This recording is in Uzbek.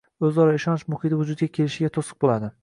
o‘zaro ishonch muhiti vujudga kelishiga to‘siq bo‘ladi.